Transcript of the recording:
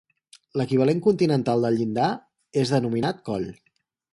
L'equivalent continental del llindar és denominat coll.